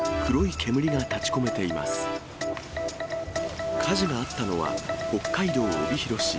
火事があったのは北海道帯広市。